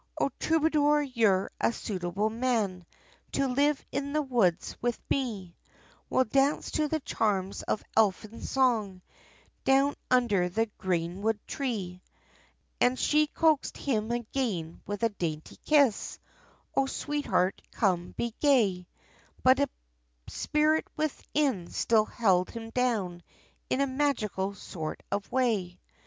"O troubadour, you're a suitable man, To live in the woods with me, We'll dance to the charms of elphin song, Down under the greenwood tree." And she coaxed him again, with a dainty kiss, "Oh, sweetheart, come, be gay!" But a spirit within, still held him down, In a magical sort of way.